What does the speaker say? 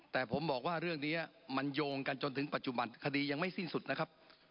แต่ผมบอกว่าเรื่องนี้มันโยงกันจนถึงปัจจุบันคดียังไม่สิ้นสุดนะครับ